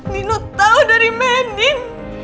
nino tau dari mbak endin